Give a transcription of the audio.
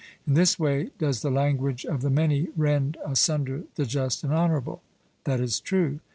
In this way does the language of the many rend asunder the just and honourable. 'That is true.'